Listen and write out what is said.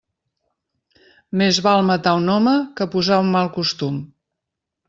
Més val matar un home que posar un mal costum.